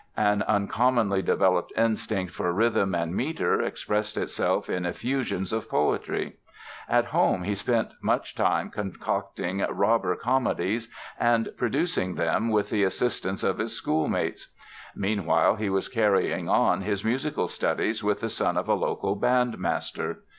An uncommonly developed instinct for rhythm and meter expressed itself in effusions of poetry. At home he spent much time concocting "robber comedies" and producing them with the assistance of his schoolmates. Meanwhile, he was carrying on his musical studies with the son of a local bandmaster.